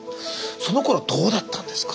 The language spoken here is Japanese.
そのころはどうだったんですか？